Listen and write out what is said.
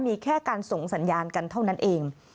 มีแค่การส่งสัญญาณกันเท่านั้นเอง